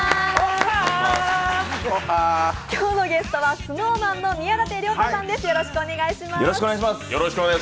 今日のゲストはＳｎｏｗＭａｎの宮舘涼太さんです。